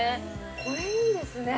これいいですね